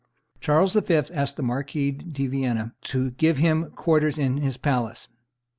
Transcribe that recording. Charles V. asked the Marquis de Villena to give him quarters in his palace.